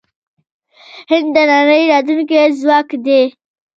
هند د نړۍ راتلونکی ځواک دی.